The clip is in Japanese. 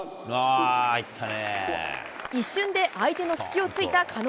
一瞬で相手の隙をついた加納。